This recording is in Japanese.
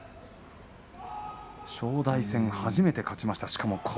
正代戦、初めて勝ちました。